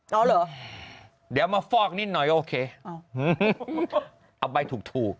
เอาเหรอเดี๋ยวมาฟอกนิดหน่อยก็โอเคเอาใบถูก